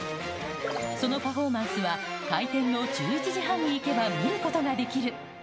そのパフォーマンスは、開店の１１時半に行けば見ることができる。